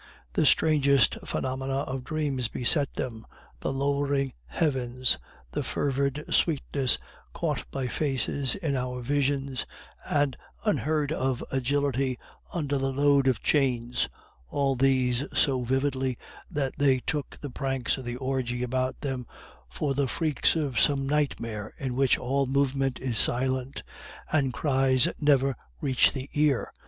The strangest phenomena of dreams beset them, the lowering heavens, the fervid sweetness caught by faces in our visions, and unheard of agility under a load of chains, all these so vividly, that they took the pranks of the orgy about them for the freaks of some nightmare in which all movement is silent, and cries never reach the ear.